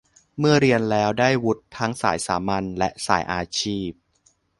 เมื่อเรียนแล้วได้วุฒิทั้งสายสามัญ และ สายอาชีพ